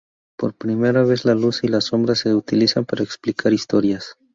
Por primera vez, la luz y la sombra se utilizan para explicar historias.